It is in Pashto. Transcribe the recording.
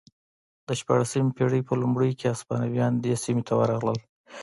د شپاړسمې پېړۍ په لومړیو کې هسپانویان دې سیمې ته ورغلل